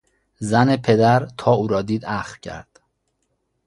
زن پدر تا او را دید اخم کرد.